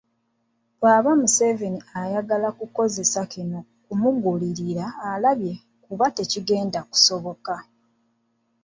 Bw’aba Museveni ayagala kukozesa kino okumugulirira alabye kuba tekigenda kusoboka.